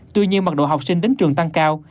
tuy nhiên mặc độ học sinh đến trường tăng cao